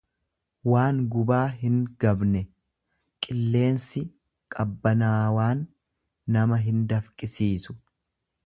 waan gubaa hin gabne; Qilleensi qabbanaawaan nama hin dafqisiisu.